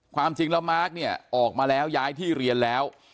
ความจริงแล้วมาร์คเนี่ยออกมาแล้วย้ายที่เรียนแล้ว